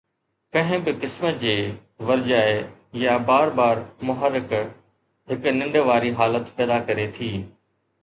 ڪنهن به قسم جي ورجائي يا بار بار محرک هڪ ننڊ واري حالت پيدا ڪري ٿي